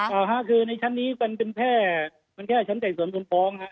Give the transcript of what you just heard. อ่าฮะคือในชั้นนี้มันเป็นแค่มันแค่ชั้นไต่สวนมูลฟ้องฮะ